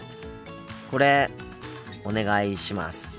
これお願いします。